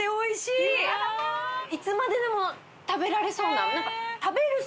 いつまででも食べられそうな。